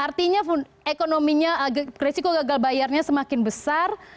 artinya resiko gagal bayarnya semakin besar